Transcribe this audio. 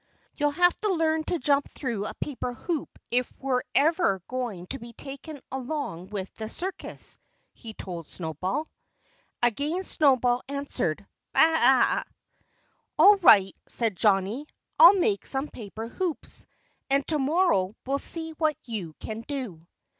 "You'll have to learn to jump through a paper hoop if we're ever going to be taken along with the circus," he told Snowball. Again Snowball answered, "Baa a a!" "All right!" said Johnnie. "I'll make some paper hoops. And to morrow we'll see what you can do."